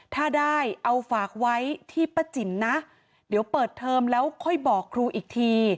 ถ้าได้เอาฝากไว้ที่ป้าจิ๋มนะเดี๋ยวเปิดเทอมแล้วค่อยบอกครูอีกที